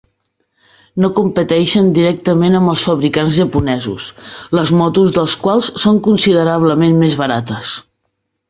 No competeixen directament amb els fabricants japonesos, les motos dels quals són considerablement més barates.